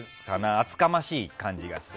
厚かましい感じがする。